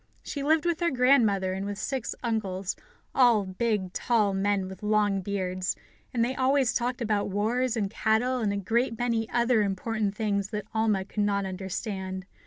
She lived with her grandmother and with six uncles, all big, tall men with long beards, and they always talked about wars, and cattle, and a great many other important things that Alma could not understand.